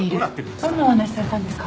どんなお話されたんですか？